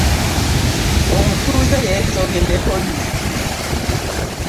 Omutuuze yeezobye ne poliisi.